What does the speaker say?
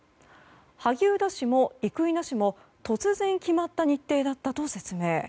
萩生田氏も生稲氏も突然決まった日程だったと説明。